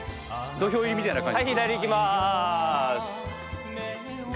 土俵入りみたいな感じですよ。